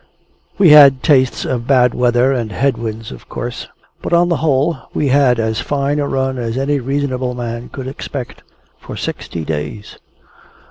We had tastes of bad weather and head winds, of course; but, on the whole we had as fine a run as any reasonable man could expect, for sixty days.